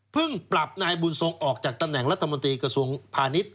ปรับนายบุญทรงออกจากตำแหน่งรัฐมนตรีกระทรวงพาณิชย